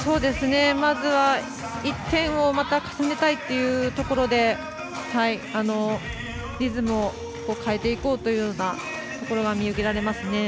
まずは１点をうまく攻めたいというところでリズムを変えていこうというようなところが見受けられますね。